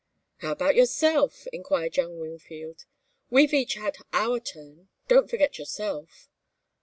"How about yourself?" enquired young Wingfield. "We've each had our turn. Don't forget yourself."